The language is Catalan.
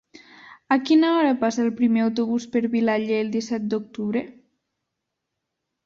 A quina hora passa el primer autobús per Vilaller el disset d'octubre?